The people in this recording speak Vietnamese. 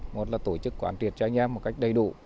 một là tổ chức quán triệt cho anh em một cách đầy đủ